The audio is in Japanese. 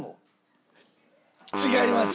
違います。